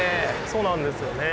そうなんですよね。